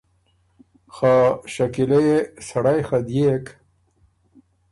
خه شکیله يې سړئ خه ديېک